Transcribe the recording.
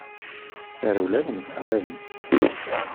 Tarewla tenfeɛ bab-is.